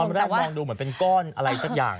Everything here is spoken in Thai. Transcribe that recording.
แรกมองดูเหมือนเป็นก้อนอะไรสักอย่าง